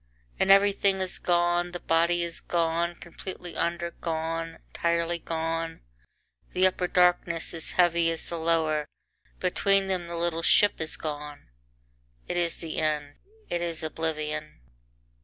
VIII And everything is gone, the body is gone completely under, gone, entirely gone. The upper darkness is heavy as the lower, between them the little ship is gone It is the end, it is oblivion.